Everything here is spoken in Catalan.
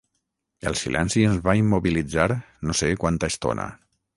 El silenci ens va immobilitzar no sé quanta estona.